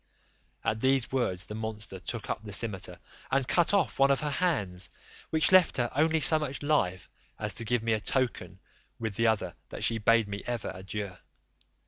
At these words the monster took up the cimeter and cut off one of her hands, which left her only so much life as to give me a token with the other that she bade me for ever adieu.